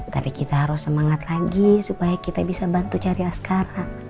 tapi kita harus semangat lagi supaya kita bisa bantu cari yang sekarang